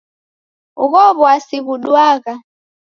Ugho w'asi ghuduagha.